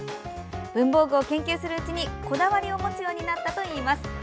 文房具を研究するうちにこだわりを持つようになったといいます。